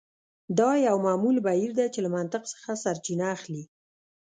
دا یو معمول بهیر دی چې له منطق څخه سرچینه اخلي